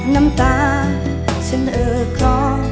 น้ำตาฉันเออครอ